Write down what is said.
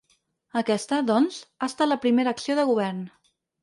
Aquesta, doncs, ha estat la primera acció de govern.